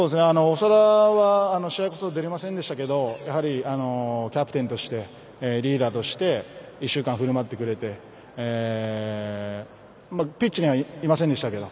長田は、試合こそ出れませんでしたけどやはりキャプテンとしてリーダーとして１週間ふるまってくれてピッチにはいませんでしたけど